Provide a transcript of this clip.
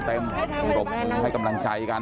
เพื่อนบ้านเจ้าหน้าที่อำรวจกู้ภัย